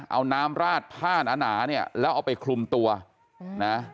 เอาน้ำราดผ้าหนาเนี่ยแล้วเอาไปคลุมตัวนะ